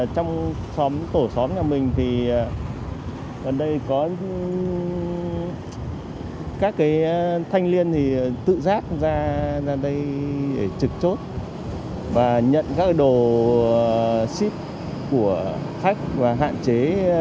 trong tổ xóm nhà mình thì gần đây có các thanh liên tự rác ra đây để trực chốt và nhận các đồ ship của khách và hạn chế